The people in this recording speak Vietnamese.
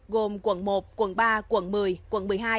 gồm quận một quận ba quận một mươi quận một mươi hai